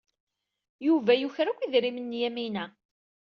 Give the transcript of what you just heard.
Yuba yuker akk idrimen n Yamina.